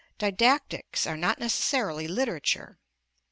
Didactics are not necessarily literature.